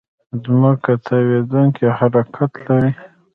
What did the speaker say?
ځمکه تاوېدونکې حرکت لري.